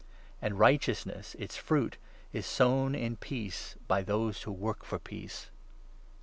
And righteousness, its fruit, is sown in peace 18 by those who work for peace.